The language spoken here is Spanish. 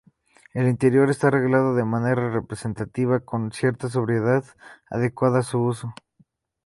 El interior está arreglado de manera representativa, con cierta sobriedad, adecuada a su uso.